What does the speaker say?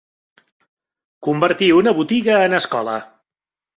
Convertir una botiga en escola.